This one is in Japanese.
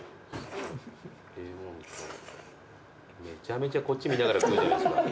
めちゃめちゃこっち見ながら食うじゃないですか。